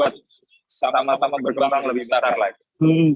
tapi membuat sama sama berkembang lebih secara lain